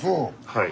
はい。